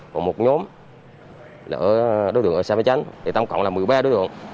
và một nhóm là đối tượng ở sà mê chánh tổng cộng là một mươi ba đối tượng